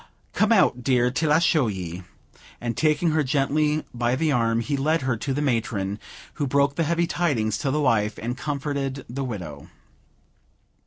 Come out, dear, till I show ye;" and, taking her gently by the arm, he led her to the matron, who broke the heavy tidings to the wife, and comforted the widow.